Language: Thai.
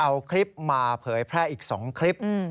เอาคลิปมาเผยแพร่อีก๒คลิป